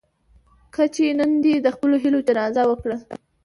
کچې نن دې د خپلو هيلو جنازه وکړه.